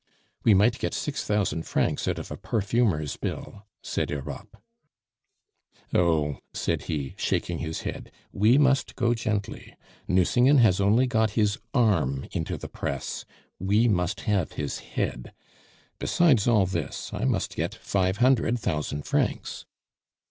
"We might get six thousand francs out of a perfumer's bill," said Europe. "Oh!" said he, shaking his head, "we must go gently. Nucingen has only got his arm into the press; we must have his head. Besides all this, I must get five hundred thousand francs."